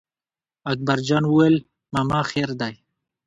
اکبر جان وویل: ماما خیر دی.